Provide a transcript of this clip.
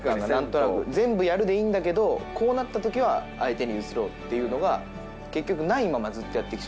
全部やるでいいんだけどこうなったときは相手に譲ろうっていうのが結局ないままずっとやってきちゃったんで。